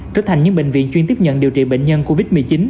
trở thành những bệnh viện chuyên tiếp nhận điều trị bệnh nhân covid một mươi chín